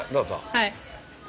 はい。